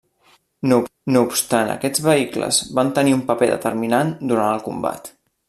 No obstant aquests vehicles van tenir un paper determinat durant el combat.